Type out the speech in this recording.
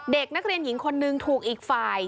เด็กนักเรียนหญิงคนนึงถูกอีกฝ่าย